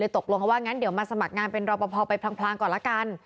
ตกลงเขาว่างั้นเดี๋ยวมาสมัครงานเป็นรอปภไปพลางก่อนละกัน